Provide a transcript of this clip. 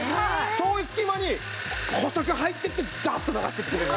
そういう隙間に細く入っていってガーッと流してくれる。